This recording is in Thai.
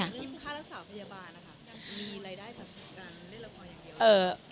เรื่องค่ารักษาพยาบาลนะคะมีรายได้จากการเล่นละครอย่างเดียว